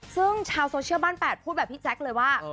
ซึ่งชาวบ้าน๘พูดแบบพี่แจ๊คเลยว่า